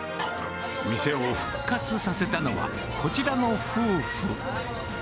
店を復活させたのは、こちらの夫婦。